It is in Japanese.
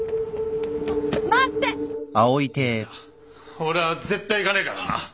俺は絶対行かねえからな。